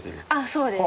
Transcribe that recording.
そうです。